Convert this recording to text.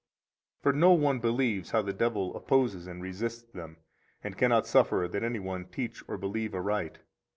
62 For no one believes how the devil opposes and resists them, and cannot suffer that any one teach or believe aright.